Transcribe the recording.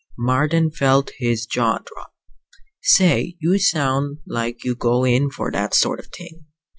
Marden felt his jaw drop. "Say, you sound, like you go in for that sort of thing!